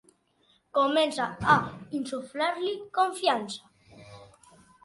Comença a insuflar-li confiança.